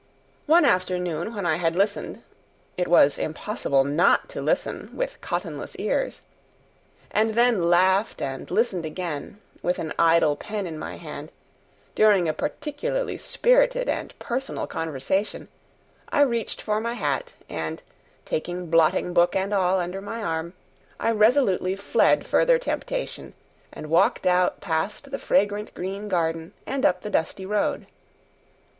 One afternoon, when I had listened, it was impossible not to listen, with cottonless ears, and then laughed and listened again, with an idle pen in my hand, during a particularly spirited and personal conversation, I reached for my hat, and, taking blotting book and all under my arm, I resolutely fled further temptation, and walked out past the fragrant green garden and up the dusty road.